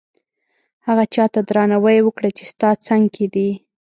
هغه چاته درناوی وکړه چې ستا څنګ کې دي.